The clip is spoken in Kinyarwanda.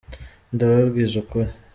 Ndababwiza ukuri